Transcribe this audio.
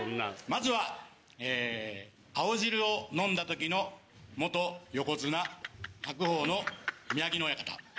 まずは青汁を飲んだ時の横綱・白鵬の宮城野親方。